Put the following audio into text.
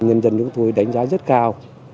nhân dân đối với tôi đánh giá rất cao